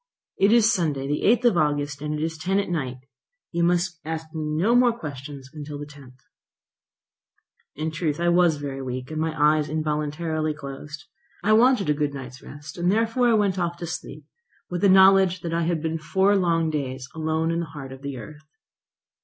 "It is Sunday, the 8th of August, and it is ten at night. You must ask me no more questions until the 10th." In truth I was very weak, and my eyes involuntarily closed. I wanted a good night's rest; and I therefore went off to sleep, with the knowledge that I had been four long days alone in the heart of the earth.